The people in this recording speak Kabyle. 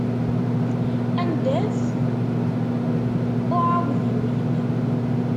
Anda-t uɛewdiw-im?